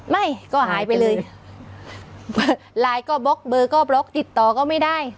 ไม่ก็หายไปเลยไลน์ก็บล็อกเบอร์ก็บล็อกติดต่อก็ไม่ได้